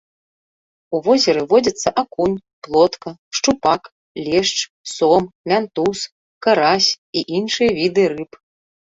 У возеры водзяцца акунь, плотка, шчупак, лешч, сом, мянтуз, карась і іншыя віды рыб.